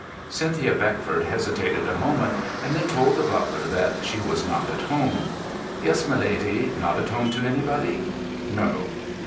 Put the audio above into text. Cynthia Beckford hesitated a moment, and then told the butler that she was not at home. "Yes, my lady. Not at home to anybody?" "No."